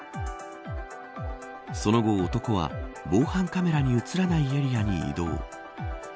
その後、男は防犯カメラに映らないエリアに移動。